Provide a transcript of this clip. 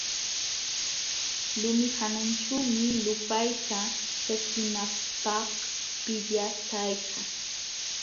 Lumi hananćhuumi lupayta ćhaskinanapq pillatayka.